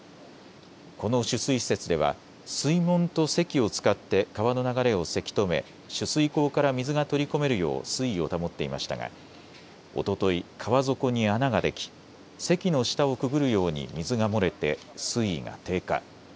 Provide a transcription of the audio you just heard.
この取水施設では水門とせきを使って川の流れをせき止め取水口から水が取り込めるよう水位を保っていましたがおととい川底に穴ができせきの下をくぐるように水が漏れて水位が低下。